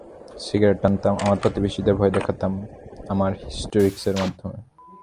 Cigarette টানতাম আমার প্রতিবেশীদের ভয় দেখাতাম আমার হিস্টিরিক্সের মাধ্যমে।